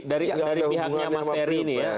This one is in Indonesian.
dari pihaknya mas eri ini